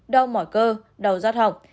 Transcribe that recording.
đau mỏi cơ đau giác học